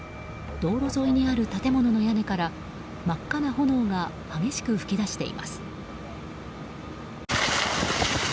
道路沿いにある建物の屋根から真っ赤な炎が激しく噴き出しています。